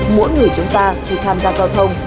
mỗi người chúng ta khi tham gia giao thông